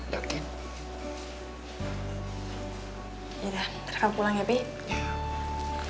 ya udah ntar kamu pulang ya pih